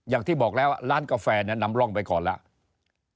อย่างที่บอกแล้วร้านกาแฟนำร่องไปก่อนแล้ว